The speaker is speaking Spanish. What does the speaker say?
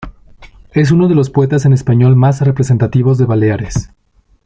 Es uno de los poetas en español más representativos de Baleares.